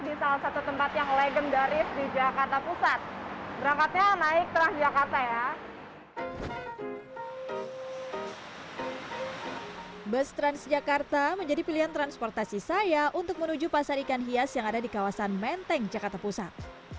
bus transjakarta menjadi pilihan transportasi saya untuk menuju pasar ikan hias yang ada di kawasan menteng jakarta pusat